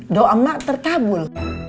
doa mak tertabul